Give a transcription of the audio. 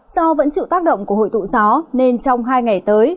do vẫn chịu tác động của hội tụ gió nên trong hai ngày tới